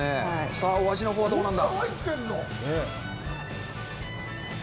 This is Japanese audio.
さあ、お味のほうはどうなんだ。